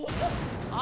あ！